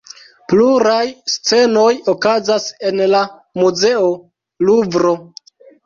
Pluraj scenoj okazas en la muzeo Luvro.